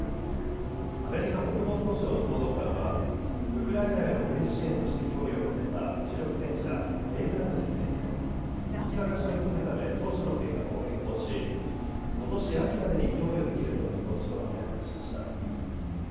アメリカ国防総省の報道官はウクライナへの軍事支援として供与を決めた主力戦車エイブラムスについて引き渡しを急ぐため当初の計画を変更し、ことし秋までに供与できるとの見通しを明らかにしました。